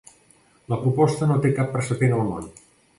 La proposta no té cap precedent al món.